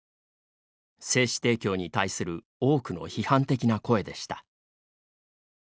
精子提供に対する多くの批判的な声でした。